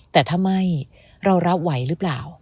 แต่ถ้าไม่เรารับไหวหรือเปล่า